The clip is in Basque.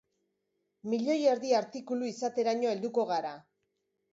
Milioi erdi artikulu izateraino helduko gara.